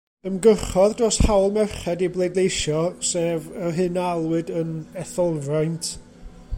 Ymgyrchodd dros hawl merched i bleidleisio, sef yr hyn a alwyd yn etholfraint.